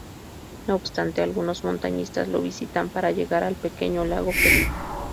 No obstante, algunos montañistas lo visitan para llegar al pequeño Lago Felipe.